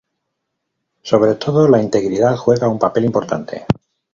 Sobre todo la integridad juega un papel importante.